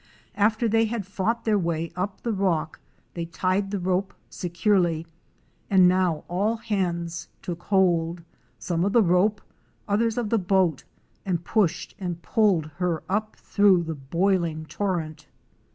After they had fought their way up to the rock they tied the rope securely and now all hands took hold, some of the rope, others of the boat, and pushed and pulled her up through the boiling torrent.